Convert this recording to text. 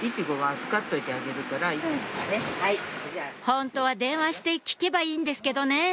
ホントは電話して聞けばいいんですけどね